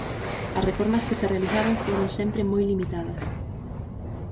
As reformas que se realizaron foron sempre moi limitadas.